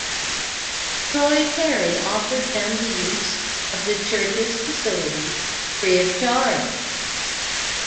Troy Perry offered them the use of the church's facilities free of charge.